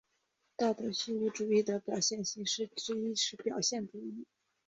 道德虚无主义的表达形式之一是表现主义。